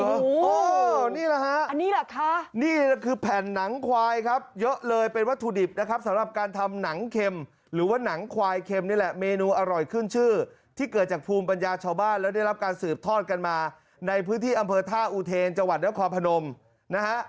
นี่แหละฮะอันนี้แหละคะนี่คือแผ่นหนังควายครับเยอะเลยเป็นวัตถุดิบนะครับสำหรับการทำหนังเข็มหรือว่าหนังควายเค็มนี่แหละเมนูอร่อยขึ้นชื่อที่เกิดจากภูมิปัญญาชาวบ้านแล้วได้รับการสืบทอดกันมาในพื้นที่อำเภอท่าอูเทนจังหวัดนครพนมนะฮะ